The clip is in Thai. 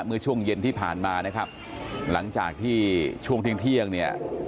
เมื่อช่วงเย็นที่ผ่านมานะครับหลังจากที่ช่วงเที่ยงเที่ยงเนี่ย